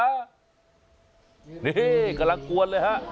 นี่กำลังกวนเลยฮะ